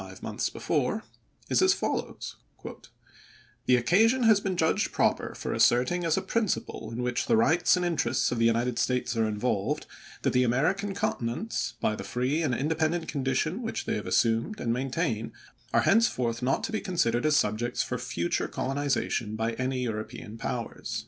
ve ls^.7' months before, is as follows: "The occasion has been judged proper for asserting as a principle in which the rights and interests of the United States are involved, that the American continents, by the free and independent condition which they have assumed and maintain, are henceforth not to be considered as subjects for future colonization by any European powers."